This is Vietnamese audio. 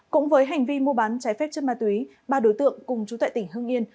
cũng với hành vi mua bán trái phép chất ma túy ba đối tượng cùng chú tại tỉnh hưng yên